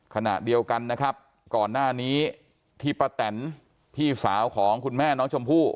ขณะเดียวกันนะครับก่อนหน้านี้ที่ป้าแตนพี่สาวของคุณแม่น้องชมพู่